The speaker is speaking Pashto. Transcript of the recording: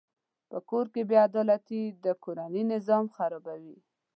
په کور کې بېعدالتي د کورنۍ نظام خرابوي.